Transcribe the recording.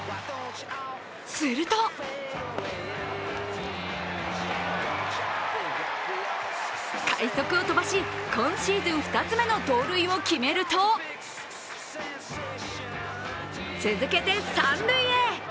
すると快速を飛ばし、今シーズン２つ目の盗塁を決めると続けて三塁へ。